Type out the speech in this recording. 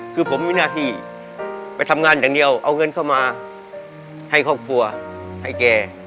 คือผมมีหน้าที่ไปทำงานอย่างเดียวเอาเงินเข้ามาให้ครอบครัวให้แก